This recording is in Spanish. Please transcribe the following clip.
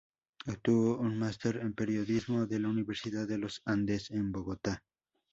Obtuvo un master en periodismo de la Universidad de los Andes, en Bogotá.